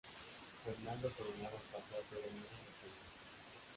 Fernando Coronado pasó a ser el nuevo batería.